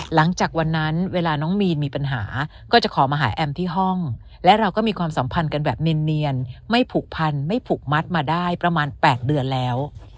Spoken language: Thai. หลังจากวันนั้นเวลาน้องมีนมีปัญหาก็จะขอมาหาแอมที่ห้องและเราก็มีความสัมพันธ์กันแบบเนียนไม่ผูกพันไม่ผูกมัดมาได้ประมาณ๘เดือนแล้ว